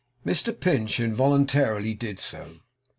Mr Pinch involuntarily did so.